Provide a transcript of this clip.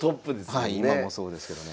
はい今もそうですけどね。